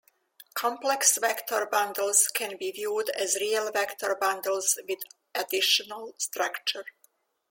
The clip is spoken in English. Complex vector bundles can be viewed as real vector bundles with additional structure.